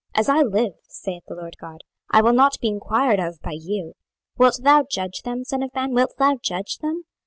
As I live, saith the Lord GOD, I will not be enquired of by you. 26:020:004 Wilt thou judge them, son of man, wilt thou judge them?